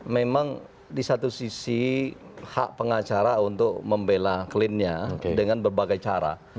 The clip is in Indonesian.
memang di satu sisi hak pengacara untuk membela kliennya dengan berbagai cara